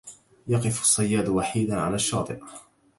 يقف الصياد وحيداً على الشاطئ.